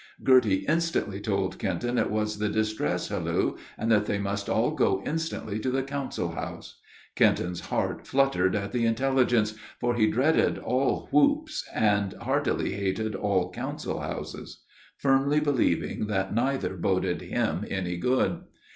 Girty instantly told Kenton it was the distress halloo, and that they must all go instantly to the council house. Kenton's heart fluttered at the intelligence, for he dreaded all whoops, and heartily hated all council houses, firmly believing that neither boded him any good.